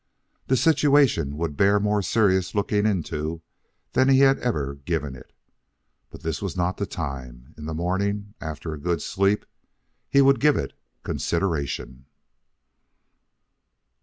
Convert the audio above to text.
The situation would bear more serious looking into than he had ever given it. But this was not the time. In the morning, after a good sleep, he would give it consideration.